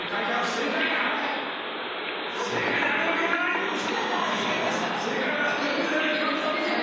正解であるわけがない！